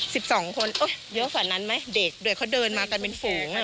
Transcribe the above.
สิบสองคนเอ้ยเยอะกว่านั้นไหมเด็กด้วยเขาเดินมากันเป็นฝูงอ่ะ